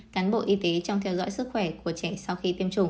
cán bộ y tế trong theo dõi sức khỏe của trẻ sau khi tiêm chủng